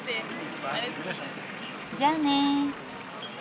じゃあね。